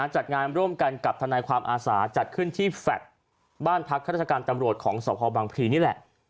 จัดงานร่วมกันกับทนายความอาสาจัดขึ้นที่แฟลต์บ้านพักข้าราชการตำรวจของสพบังพลีนี่แหละ